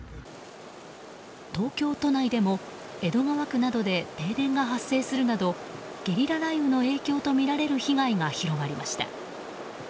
東京都内でも江戸川区などで停電が発生するなどゲリラ雷雨の影響とみられる被害が広がりました。